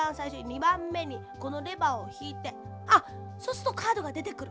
２ばんめにこのレバーをひいてあっそうするとカードがでてくる。